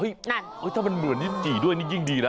ถ้ามันเหมือนนิจีด้วยนี่ยิ่งดีนะ